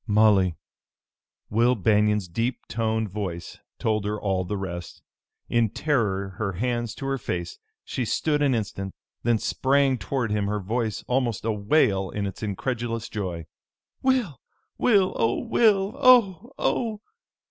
"Molly!" Will Banion's deep toned voice told her all the rest. In terror, her hands to her face, she stood an instant, then sprang toward him, her voice almost a wail in its incredulous joy. "Will! Will! Oh, Will! Oh! Oh!"